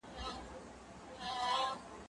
زه کولای سم ليکلي پاڼي ترتيب کړم،